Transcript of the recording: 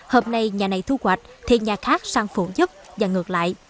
hôm nay nhà này thu hoạch thì nhà khác sang phụ giúp và ngược lại